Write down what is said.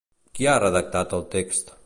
Qui ha redactat el text?